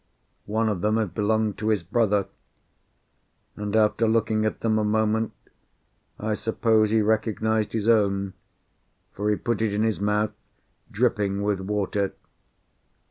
One of them had belonged to his brother, and after looking at them a moment I suppose he recognized his own, for he put it in his mouth, dripping with water.